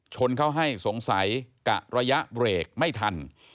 ชนเข้าให้สงสัยกะระยะเบรกไม่ทัน